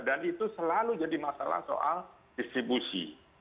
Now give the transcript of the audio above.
dan itu selalu jadi masalah soal distribusi